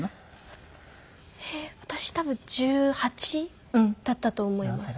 私多分１８だったと思います。